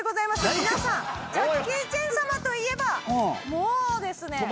皆さんジャッキー・チェン様といえばもうですね。